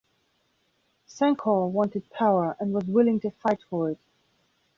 Sankoh wanted power, and was willing to fight for it.